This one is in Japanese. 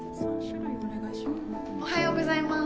おはようございます